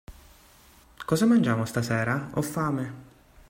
Cosa mangiamo stasera? Ho fame!